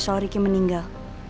soal riki meninggal